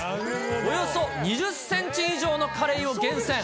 およそ２０センチ以上のカレイを厳選。